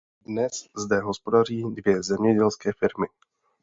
Dnes zde hospodaří dvě zemědělské firmy.